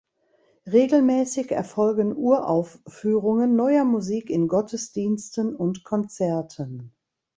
Regelmäßig erfolgen Uraufführungen neuer Musik in Gottesdiensten und Konzerten.